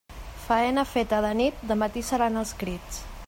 Faena feta de nit, de matí seran els crits.